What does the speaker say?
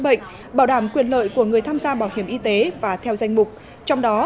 bệnh bảo đảm quyền lợi của người tham gia bảo hiểm y tế và theo danh mục trong đó